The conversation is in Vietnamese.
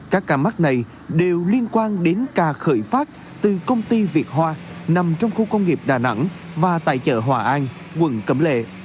các ca mắc này đều liên quan đến ca khởi phát từ công ty việt hoa nằm trong khu công nghiệp đà nẵng và tại chợ hòa an quận cẩm lệ